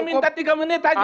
minta tiga menit aja